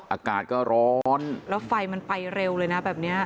อากาศก็ร้อนแล้วไฟมันไปเร็วเลยนะแบบนี้